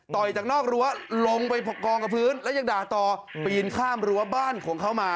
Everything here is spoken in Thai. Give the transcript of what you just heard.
จากนอกรั้วลงไปกองกับพื้นแล้วยังด่าต่อปีนข้ามรั้วบ้านของเขามา